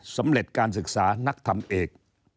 สำเร็จการศึกษานักทำเอก